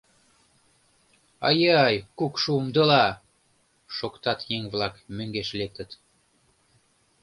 — Ай-ай, кукшо умдыла! — шоктат еҥ-влак, мӧҥгеш лектыт...